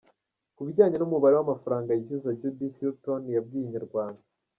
Ku bijyanye n’umubare w’amafaranga yishyuza Judith, Hilton yabwiye Inyarwanda.